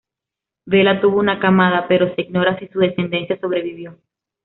Vela tuvo una camada, pero se ignora si su descendencia sobrevivió.